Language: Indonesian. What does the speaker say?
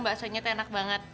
mbak sonjot enak banget